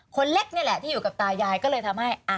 คนเล็กนี่แหละที่อยู่กับตายายก็เลยทำให้